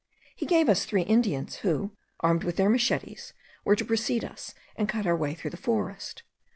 He gave us three Indians, who, armed with their machetes, were to precede us, and cut our way through the forest.